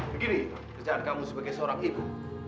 begini kerjaan kamu sebagai seorang ibu